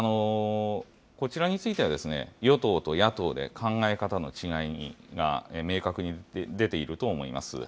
こちらについては、与党と野党で考え方の違いが明確に出ていると思います。